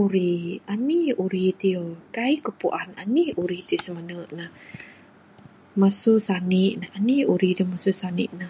Uri, anih uri ti kaik ku puan, anih uri ti simene ne, masu sanik ne anih uri ti masu sanik ne.